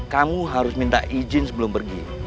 kamu harus minta izin sebelum pergi